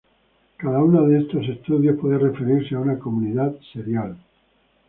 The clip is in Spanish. Cada una de estos estadios puede referirse a una comunidad serial.